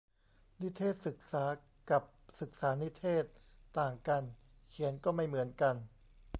นิเทศศึกษา กับศึกษานิเทศก์ ต่างกัน เขียนก็ไม่เหมือนกัน